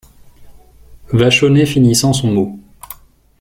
Vachonnet finissant son mot.